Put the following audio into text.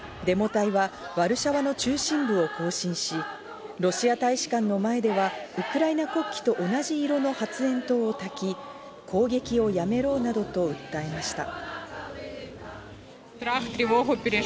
デモ隊はワルシャワの中心部を行進し、ロシア大使館の前ではウクライナ国旗と同じ色の発煙筒をたき、攻撃をやめろなどと訴えました。